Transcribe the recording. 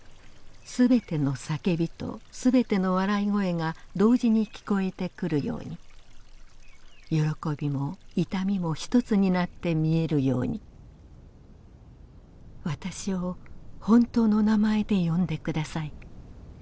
すべての叫びとすべての笑い声が同時に聞こえてくるように喜びも痛みもひとつになって見えるように私を本当の名前で呼んでください